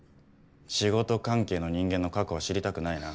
仕事関係の人間の過去は知りたくないな。